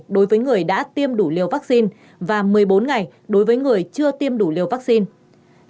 đối với người đã tiêm đủ liều vaccine và một mươi bốn ngày đối với người chưa tiêm đủ liều vaccine